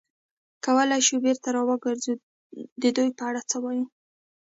کولای شو بېرته را وګرځو، د دوی په اړه څه وایې؟